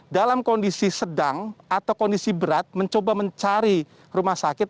dalam kondisi sedang atau kondisi berat mencoba mencari rumah sakit